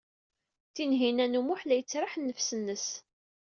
Tinhinan u Muḥ la yettraḥ nnefs-nnes.